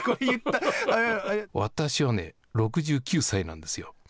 私はね、６９歳なんですよ。